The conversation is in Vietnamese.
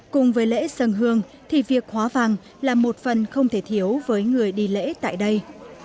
cùng với lễ dân hương thì việc hóa vàng là một phần không thể thiếu với người đi lễ tại đây